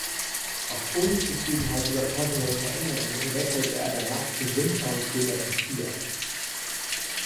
Aus Unzufriedenheit über personelle Veränderungen wechselte er danach zu Simca und später zu Fiat.